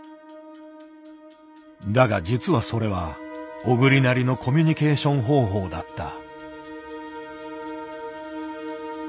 だが実はそれは小栗なりのコミュニケーション方法だった。